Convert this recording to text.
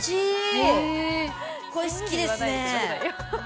これ好きですね。